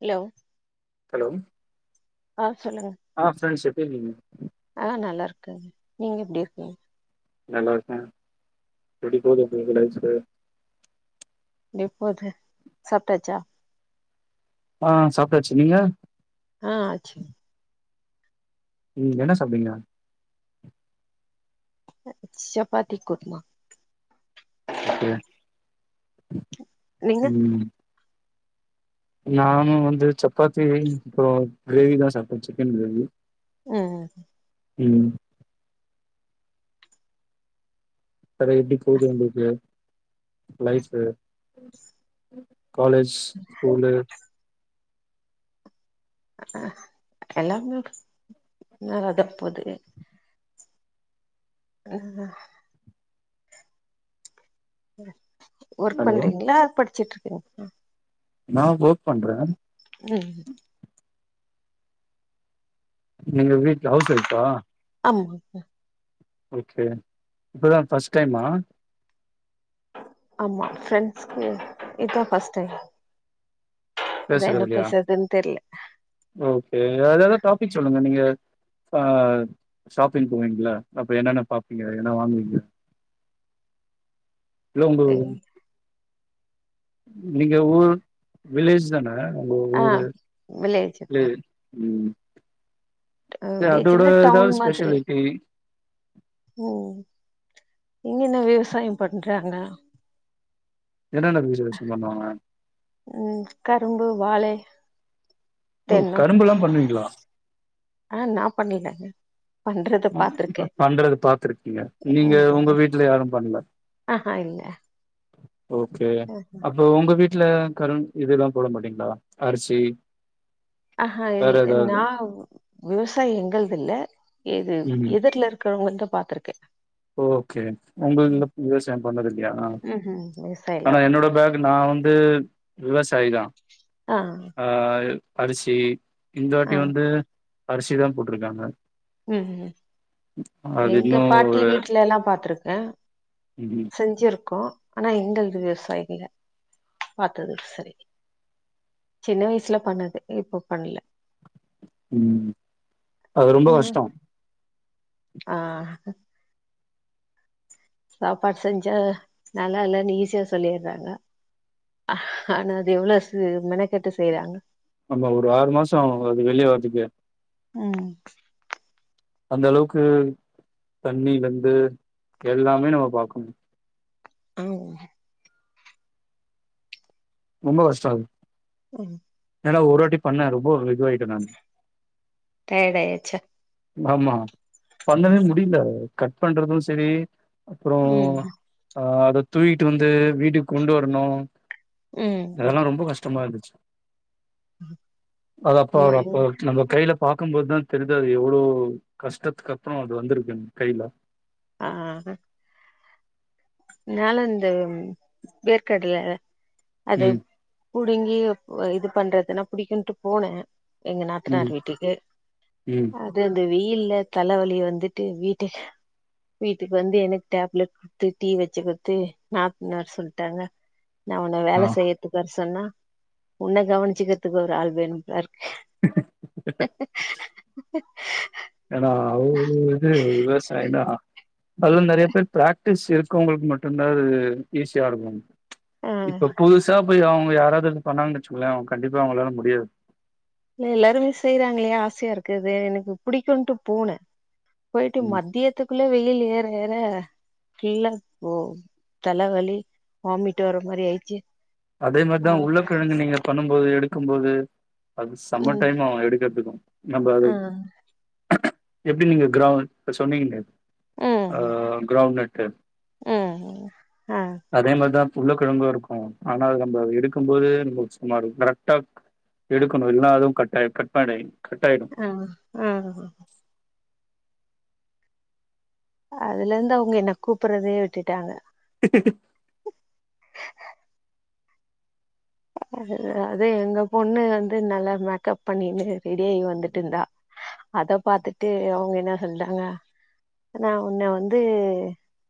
Hello hello ஆ சொல்லுங்க ஆ ஃப்ரெண்ட்ஸ் எப்டியிருங்க க நீங்க எப்டி இருக்கீங் நல்ல இருக்கே எப்டி போகுது உங்க லைஃப்பு எப்போது சாப்பிடாச்சா ஆ சாப்பிடாச்சு நீங்க ஆ ஆச்சு உம் என்ன சாப்டிங்க சப்பாத்தி குருமா இப்ப நீங்க உம் நானும் வந்து சப்பாத்தி அப்புறம் கிரேவி தான் சாப்பிட்டேன் சிக்கன் கிரேவி ஹ்ம்ம் உம் வேற எப்படி போகுது உங்களுக்கு லைஃபு காலேஜ் ஸ்கூலு அ எல்லாமே நல்லாதா போது ம் இல்ல ஒர்க் ஹலோ பண்றிங்ளா படிச்சுட்ருக்கிங் அ நா ஒர்க் பண்ற ம் நீங்க வீட் ஹவுஸ் வைஃபா ஆமாங்க ஓகே இப்பதா ஃபஸ்ட் டைமா மா ஃப்ரெண்ட்ஸ்கு இதா ஃபஸ்ட் டைம் அதா என்ன பேசுறதுலயா பேசுறதுன்னு தெர்ல ஓகே வேறெதா டாபிக் சொல்லுங்க நீங்க ஆ ஷாப்பிங் போவிங்கல்ல அப்ப என்னென்ன பாப்பிங்க என்ன வாங்குவிங்க இல்ல உங்கு நீங்க ஊர் வில்லேஜ் தான ஆ வில்லேஜ் வில்லே ம் இது அதோட வில்லேஜ்னா இதா டவுன் மாதிரி ஸ்பெஷாலிட்டி ம், இங்க என்ன விவசாயம் பண்றாங்க என்னென்ன விசேஷம் பண்ணுவாங்க ம், கரும்பு வாழை ஓ தென்னம் கரும்புல்லா பண்ணுவிங்ளா ஆ, நா பண்ணல ம், பண்றது பாத்துருக்கீங்க நீங்க உங்க ம் வீட்ல யாரும் பண்ணல ஆஹா இல்ல ஓகே அப்ப உங்க வீட் ட்ல கரும் இதுல்லா போட மாட்டீங்ளா அரிசி ஆஹ வேற இல் நா ஏதாவது விவசாய எங்க ள்துல்ல எது ம் எதிர்ல இருக்கிறவங்கள்து பாத்துருக்கே ஓகே உங்கள்துல விவசாயம் பண்ணது இல்லையா ம்ஹும் விவசாய இல்ல ஆனா என்னோட பேக் நா வந் து விவசா சாயிதா ஆ அரிசி இந்த வாட்டி ஆ வந்து அரிசிதா போட்டுருக்காங்க ம்கும் எங்க இன்னு ஒரு பாட்டி வீட் லலா பாத்துருக்க ம், செஞ்சிருக்கோ ஆனா எங்களது வெர்சா இல்ல பாத்தது சரி சின்ன வய்சுல பண்ணுது இப்போ பண்ல ம்ப இன்னு கஷ்டோ ஆ சாப்பா செஞ்சா நல்லாலனு ஈஸ்யா சொல்லிற்றாங்க ஆனா அது எவ்ளோசு மெனக்கட்டு செய்றாங்க ஆமா ஒரு ஆறு மாச ஆவு அது வெளிய வர்துக்கே ம் அந்த அளவுக்கு தண்ணி வந்து எல்லாமே நம்ப பாக்கணு ஆவ் ரொம்ப கஷ்ட்டோ அது ஏன்னா ஒருவாட்டி பண்ண ரொப்போ இதுவாயிட்ட நானு டயடாயாச்சா ஆமா பண்ணவே முடிய்ல கட் பண்றது செரி அப்புரோ அ அது தூயிட்டு வந்து வீட்டுக் கொண்டு வர்ணு அதெல்லா ரொம்ப கஷ் டமா இருந்துச்சு அது அப்போ அது அப்பௌ நம்ம கைல பாக்கும்போதா தெரிது எவ்ளோ கஷ்டத்துக்கப்றோ அது வந்துருக்குனு கைல ஆஹ் நானு இந்த வேர்க்கடல அது ம், புடுங்கி ஒ இது பண்றதுனா புடிக்குன்ட்டு போன எங்க ம், நாத்தனார் வீட்டுக்கு ம். அது அந்த வெயில்ல தலவலி வந்துட்டு வீட்டு வீட்டுக்கு வந்து எனக்கு டேப்லெட் குடுத்து டீ வச்சு குடுத்து நாத்தனார் சொல்ட்டாங்க நா உன்ன ஆ. வேல செய்றத்கு வர சொன்னா உன்ன கவனச்சுக்றதுக்கு ஒரு ஆள் வேணுமாருக் ஹா ஹா ஹா ஹ்ம் அது வந்து நெறைய பேர் ப்ராக் டிஸ் இருக்கவுங்களுக்கு மட்டும்தான் அது ஈஸியா இருகாகோ ஆ இப்ப புதுசா போயி அவுங்க யாராவது இது பண்ணாங்கன்னு வச்சுங்கோங்களே அவுங்க கண்டிப்பா அவுங்களால முடியாது இல்ல எல்லாருமே செய்யறாங்களே ஆசையா இருக்குது எனக்கு புடிக்குன்ட்டு போனே போயிட்டு ம் மத்தியத்துக்குள் ள்ள வெயில் ஏற ஏற ஃபுல்லா ஓ தலவலி வாமிட் வர மாரி ஆயிடுச்சு அதே மாதிரிதா உருளக்கிழங்கு நீங்க பண்ணும்போது எடு க்கும்போது அது செம்ம ம் டைம் ஆவு எடுக்கறதுக்கூ நம்ப அது ஆ எப்டி நீங்க க்ரௌன் இப்ப சொன்னீங்களே ஆஹ் க்ரௌண் நட் கு உஹ் ஆஹ் உருளக்கிழங்கு இருக்கூ ஆனா அது நம்ப எடுக்கும்போதே நம்ம சுமார் கரெக்ட்டா எடுக்கணு இல்லனா அதுவு கட்டாயிடு கட் பேட் ஆயிடு அஹ் ஆஹ் அதுலருந்து அவுங்க என்ன கூப்பட்றதயே விட்டுட்டாங்க அ அது எங்க பொண்ணு வந்து நல்லா மேக்கப் பண்ணின்னு ரெடியாய் வந்துட் இருந்தா அத பாத்துட்டு அவுங்க என்ன சொல்ட்டாங்க நா உன்ன வந்து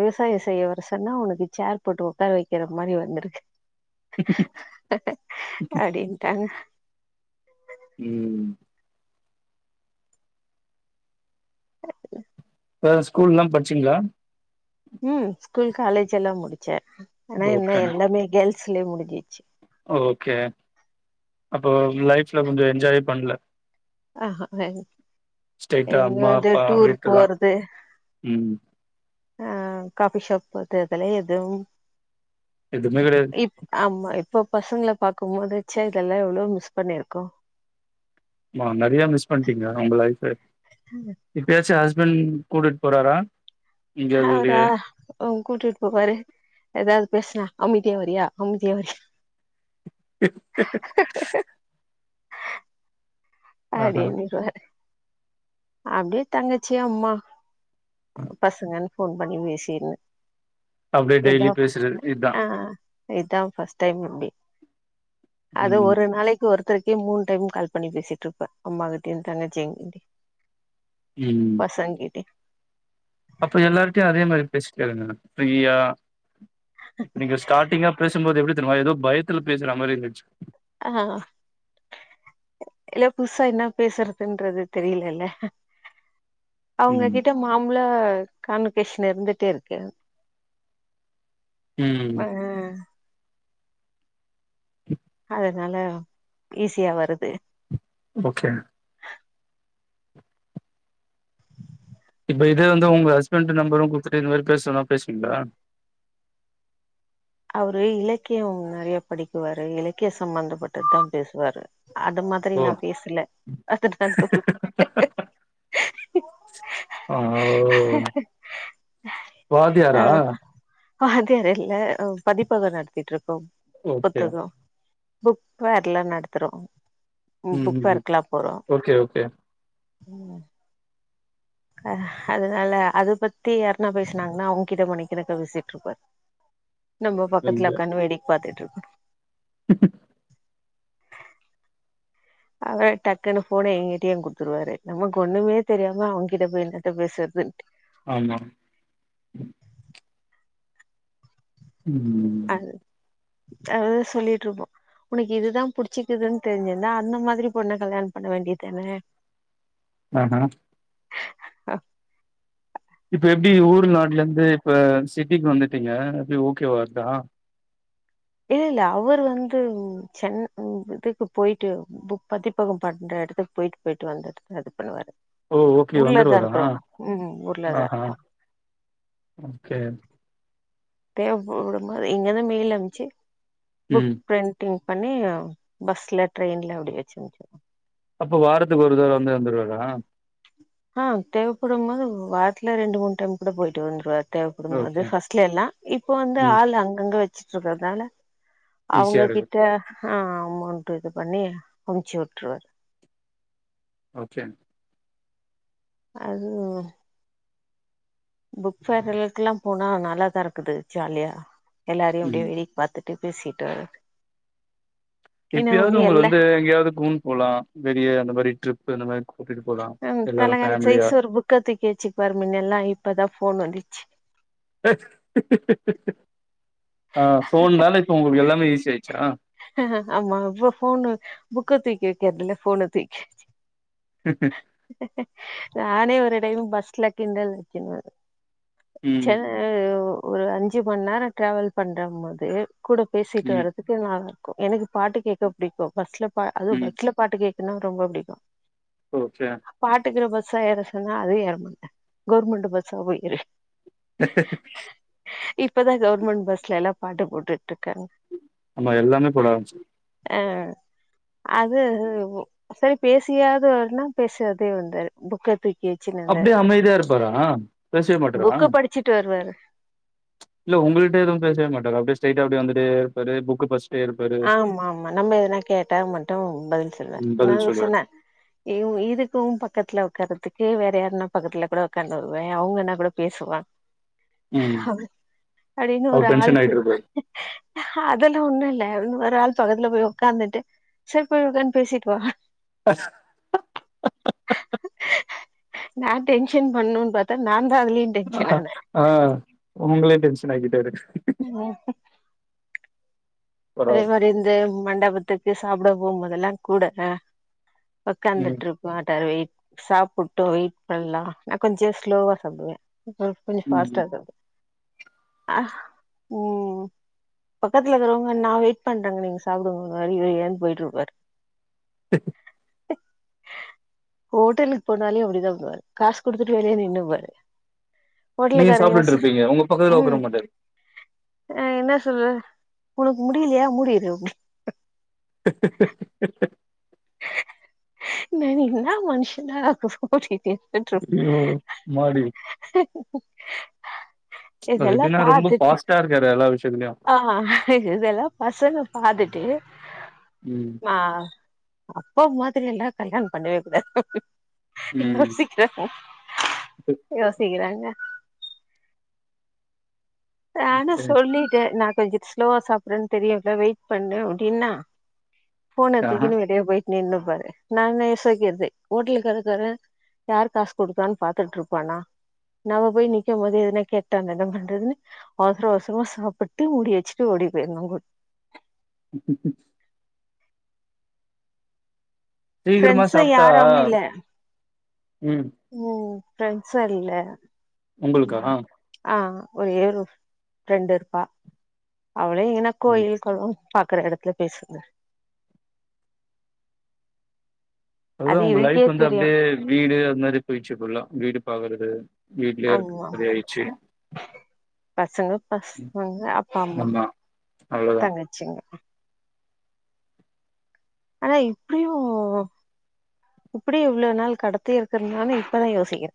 விவசாயோ செய்ய வர சொன்னா உனக்கு சேர் போட்டு உக்கார வைக்கிற மாரி வந்திருக் அப்டின்ட்டாங்க ம் வேற ஸ்கூல்லாம் பட்ச்சீங்ளா ம் ஸ்கூல் காலேஜ் எல்லாம் முடிச்சே ஆனா என்ன எல்லாமே கேல்ஸ் கிளை முடுக்கி ஓ ஒகே அப்போ லைஃப்ல கொஞ்சோ என்ஜாயே பண்ல அ அ [unintelligible] ஸ்ட்ரைட்டா எங்க அம்மா அப்பா [unintelligible] டூர் வீட்டு தா போறது ம் அ காஃபி ஷாப் போய்ட்டு வர்துல எதுவும் எதுமே கெடையாது இப் ஆமா ப் இப்ப பசங்கள பாக்கும்போது ச்சே இதெல்லா எவ்ளோ மிஸ் பண்ணிருக்கோ ஆமா நெறயா மிஸ் பண்ட்டீங்க உங்க லைஃப் சேரி இப்பயாச்சு ஹஸ் பண்ட் கூட்டிட்டு போறாரா எங்கயாவது வெளிய அவரா உ கூட்டிட்டு போவாரு எதாது பேசினா அம்தியா வரியா அம்தியா வரியா ஆஹா அடின்ங்வாரு அப்டியே தங்கச்சி அம்மா பசங்கன் போன் பண்ணி பேசிருந்த அப்டியே டெய்லி பேசிறது இதா இதா ஃபஸ்ட் டைம் இப்டி அது ம் ஒரு நாளைக்கு ஒரு த்தருக்கே மூன் டைம் கால் பண்ணி பேசிட்டிருப்ப அம்மாகிட்டயு தங்கச்சிங் ம் பசங் கிட்டயு அப்ப எல்லார்கிட்டயு அதே மாதிரி பேசிட்டாருங்க ஃப்ரியா இப்ப நீங்க ஸ்டார்டிங்கா பேசும்போது எப்டி தெரிமா ஏதோ பயத்துல பேசுற மாரி இருந்துச்சு ஆ இல்ல புசா என்ன பேசுறதுன்றது தெரியலல்ல அவுங்க ம் கிட்ட மாம்பழ காண்வகேஷன் இருந்துட்டேருக்கு ம் அதனால ஈஸியா வருது ஓகே இப்ப இதே வந்து உங்க ஹஸ்பண்ட்டு நம்பரு குத்துட்டு இந்த மாரி பேசொன்னா பேசுவீங்களா அவரு இலக்கிய நெறைய படிக்குவாரு இலக்கிய சம்பந்தப்பட்டதா பேசுவாரு அது மாதிரி ஓ நா பேசல அதனால பு ஆ ஓ வாத்தியாரா ஆஹ் வாதியாரில்ல ஓ பதிப்பக நடத்திட்ருக் கம் ஓகே புத்தகம் புக் ஃபேர்ல்லா நடத்துறொ ம் ஓகே ஓகே உம் ஹ அதனால அத பத்தி யார்னா பேசுனாங்ன்னா அவுங்கிட்ட மணிக்கணக்கா பேசிட்ருப்பாரு நம்ம பக்கத்துல புரிஞ்சு. ஒக்காந்து வேடிக் பாத்துட்ரு அவர் டக்குன்னு போன எங்கிட்டயு குடுத்துருவாரு நமக்கு ஒண்ணுமே தெரியாம அவுங்கிட்ட போய் என்னத்த பேசுறதுன்டு ஆமா உம் அத சொல்லிட்டு இருக்கோ உனக்கு இதுதா புடிச்சிக்குது தெரிஞ்சிருந்தா அந்த மாதிரி பொண்ண கல்யாணம் பண்ண வேண்டியதானே அஹ ஹா இப்ப எப்டி ஊர் நாட்டுல இருந்து இப்ப சிட்டிக்கு வந்துட்டீங்க எப்டி ஓக்கேவா அந்தா இல்ல அவரு வந்து சென் இதுக்கு போயிட்டு பதிப்பகம் பண்ற எடத்துக்கு போயிட்டு போயிட்டு வந்துட்டு அது பண்ணுவாரு ஓ ஓகே ஊர்லதா வந்துருவார இருக்குறோ அஹ ம் ஊர்லதா ஆஹா இருக்கோ ம் சேர் ட்டே ஊருலந்து இங்க இருந்து மேயில் அம்முச்சு புக் ம். பிரிண்டிங் பண்ணிய பஸ்ல ட்ரெயின்ல அப்டி வெச்சு அப்ப வாரத்துக்கு ஒரு தட வந்து வந்துருவாரா ஆஹ தேவப்படும் போது வாரத்துல ரெண்டு மூண் டைம் கூட போயிட்டு வந்துருவாரு தேவப்படும் போது அது ஓகே. பஸ்ட்டுல்ல எல்லா இப்போ வந்து ம். ஆள் அங்கங்க வெச் ச்சுட்ருக்குறோதால்ல ஈஸியா அவுங்க இருக்கு. கிட்ட ஆஹா அமௌண்ட்டு இது பண்ணி அமுச்சு விட்ருவாரு ஓகே அது புக் ஃபேர் எல்லீக்கில்லா போனா நல்லாதா இருக்குது ஜாலியா எல்லாரையு அப்டியே ம். வேடிக் பாத்துட் ட்டு பேசிட்டு ஏன்னா எப்பியாவுது ஒன்னு உங்கள்ள எல்லா வந்து எங்கியாவுது கூன் போலா வெளிய அந்த மாதிரி ட்ரிப் சோ இந்த மாரி கூட்டிட்டு போலாம். நான்கு எல்லாரும் உக்காலா என்ச்சி ஃபேமிலியா. சோற புக்கா தூக்கி வெச்சிப்பாரு மின்னேலா இப்பதா ஃபோன் வந்தி ஏ அ ஃபோன்னால இப்போ உங்குள்க் எல்லா இன்னு ஈசியாயிடுச்சா ஆமா இப்ப ஃபோனு புக்க தூக்கி வெக்கறதுல்ல ஃபோன தூக்கி நானே ஒரு டைம் பஸ்ல கிண்டல் அடிச்சிருந்த ம். சென்னையோ ஒரு அஞ்சு மண்நேர டிராவல் பண்றம்போது கூட பேசிட்டு ம். வறதுக்கு நாங்க க்கு எனக்கு பாட்டு கேக்க புடிக்கு பஸ்ல பா அதுவு ம். பட்ஸ்ல பாட்டு கேக் இன்னு ரொம்ப புடிக்கு ஓகே பாட்டுக்கற பஸ் ஸா ஏற சொன்னா அதுவு ஏறமாட்டங்க கவுர்மெண்ட் பஸ்ஸா போய் ஏறு இப்பதா கவர்மெண்ட் பஸ்ல எல்லா பாட்டு போட்டுட்டு இருக்காங்க ஆமா எல்லாமே போட ஆரம்பிச்சி ஆ, அது சேரி பேசியாது வரனா பேசாதே வந்தாரு புக்க தூக் அப்டியே அமைதியா இருப்பாரா பேசவே மாட்டாறா புக்க படிச்சுட்டு வருவாரு இல்ல உங்களிட்டயே எதுவுமே பேசவே மாட்டாற அப்டியே ஸ்டிரை அப்டி வந்துட்டே இருப்பாரு புக் படிச்சி ஆமா ஆமா நம்ம எனா கேட்டா மட்டும் பதில் சொல்வார் ம் பதில் நாங்க சொல்லுவாரு சொன்னே இ இதுக்கும் பக்கத்துல உட்காறதுக்கும் இதே வேற யாருன்னா பக்கத்துல கூட உக்காந்து வருவே அவங்கன்னா கூட பேசுவங்க ம் அப்படீனு அவரு ஒரு டென்ஷன் ஆல்ப்பு ஆயிட்டு இருப்பாரு அதெல்லாம் ஒண்ணும் இல்ல... ஒரு ஆள் பக்கத்துல போய் உக்காந்துட்டு சரி போய் உக்காந்து பேசிட்டு வா... ஹஹஹஹ நா டென்ஷன் பண்ணும்னு பாத்தா நா தா அதுலயு டென்ஷன் ஆனே ஆ உங்களேயே டென்ஷன் ஆக்கிட்டாரு ம்ஹுக் அதே பரவால்ல மாரி இந்த மண்டபம் வித்துக்கு சாப்ட போகும்போதெல்லாம் கூட ம் உக்காந்துட்டு இருக்கமாட்டாரு வெயிட்.. சாப்புட்டோம் வெயிட் பண்ணலாம் நா கொஞ்சோ ஸ்லோவா சாப்டுவே அவர் கொஞ்சோ ஃபாஸ்ட்டா ம் சாப்பிடுவாரு அஹ் ம் பக்கத்துல இருக்கிறோங் நா வெயிட் பண்றேங்க நீங்க சாப்டுங்க ஏந் போயிட்ருப்பாரு ஹோட்டலுக்கு போனாலே அப்டிதா போவாரு காசு குடுத்துட்டு வெளிய நின்னுப்பாரு நீங்க ஹோட்டலுக்காரு சாப்ட்டுட்டு யோசி இருப்பீங்க உங்க பக்கத்துல ம் உக்கார மாட்டாரு ஆ என்ன சொல்ற உனக்கு முடியலையா மூடிரு ஹஹஹஹ [unintelligible] யோ மாரி ஹீஹீஹீ த எப்டின்னா ரொம்ப ஃபாஸ்ட்டாருக்காரு எல்லா விஷ் ஆ இதெல்லா பசங்க பாத்துட்டு ம் ஆ அப்ப மாத்ரி எல்லா கல்யாணோ பண்ணவே கூடாது ம் யோசிக்கிற யோசிக்கிற [unintelligible] ஆனா சரி சொல்லிட்டேன் நான் கொஞ்சம் ஸ்லோவா சாப்பிடுன்னு தெரியல வெயிட் பண்ண அப்படின்னா போன ஆஹா தூக்கின்னு வெளிய போய் நின்றுப்பாரு நான் இசோக்கிறது ஹோட்டலுக்கு இருக்கறன் யார் காசு கொடுக்கான்னு பார்த்துட்டு இருப்பானா நம்ம போய் நிக்கும் போது எதுனா கேட்டான் என்ன பண்றதுன்னு அவசரம் அவசரமா சாப்பிட்டு முடி வச்சுட்டு ஓடி போயிருவேன் சீக்கிரமா ஃப்ரெண்ட்ஸு சாப்பிட்டா உம் ஃப்ரெண்ட்ஷா இல்ல உங்களுக்கா ஆஹ் ஒரு ஏ ஒரு ஃப்ரெண்ட் இருப்பா அவளே [unintelligible] ம் கோயில்க்குளம் பாக்குற இடத்துல பேசுங்க அது அதுதான் உங்க இவருக்கே லைஃப் வந்து தெரியு அப்படியே வீடு அது மாதிரி போயிச்சு போல வீடு பாக்குறது வீட்லயே இருக்க ஆமா மாரி ஆயிடுச்சு பசங்க பசங்க அப்பா அம்மா ஆமா அவ்ளோதா தங்கச்சிங்க ஆனா இப்டியு இப்புடி இவ்ளோ நாள் கடத்தி இருக்கற்னால இப்பதா யோசிக்கிறே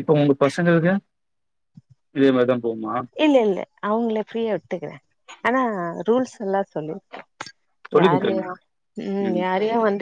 இப்ப உங்க பசங்களுக்கு இதுவே மேடம் இல்ல இல்ல அவுங்களே ஃப்ரீயா விட்டுக்குறே ஆனா ரூல்ஸ் எல்லா சொல்லி சொல்லி யாரையு குடுத்துருங்க ம் யாரையு வந்துட்